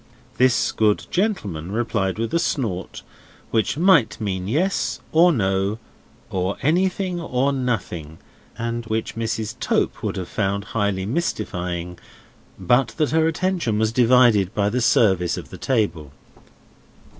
This good gentleman replied with a snort, which might mean yes, or no, or anything or nothing, and which Mrs. Tope would have found highly mystifying, but that her attention was divided by the service of the table.